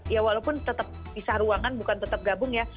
ya walaupun tetap pisah ruangan bukan tetap gabung ya